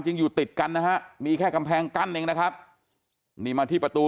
จริงอยู่ติดกันนะฮะมีแค่กำแพงกั้นเองนะครับนี่มาที่ประตู